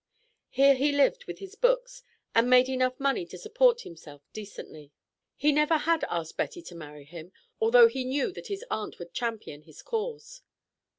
Here he lived with his books, and made enough money to support himself decently. He never had asked Betty to marry him, although he knew that his aunt would champion his cause.